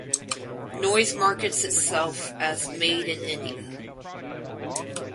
Noise markets itself as "Made in India".